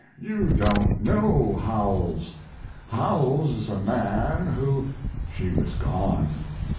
You don't know Howells. Howells is a man who " She was gone.